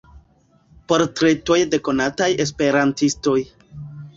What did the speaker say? Portretoj de konataj Esperantistoj.